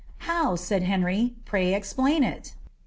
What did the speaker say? "* How P said Henry ;' pray explain it.'